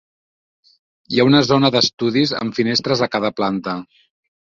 Hi ha una zona d'estudis amb finestres a cada planta.